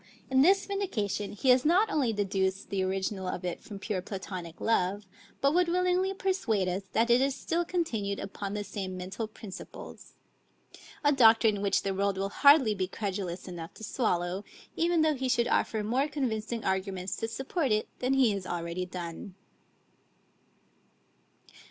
In this vindication he has not only deduced the original of it from pure Platonic love, but would willingly persuade us that it is still continued upon the same mental principles; a doctrine which the world will hardly be credulous enough to swallow, even though he should offer more convincing arguments to support it than he has already done.